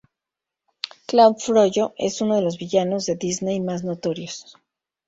Claude Frollo es unos de los villanos de Disney más notorios.